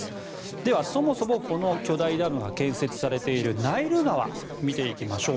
では、そもそもこの巨大ダムが建設されているナイル川を見ていきましょう。